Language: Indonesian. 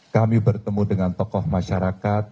kami bertemu dengan tokoh masyarakat